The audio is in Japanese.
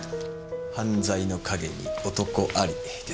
犯罪の陰に男ありですね。